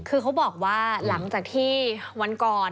คือเขาบอกว่าหลังจากที่วันก่อน